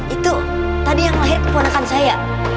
itu tadi yang lahir keponakan saya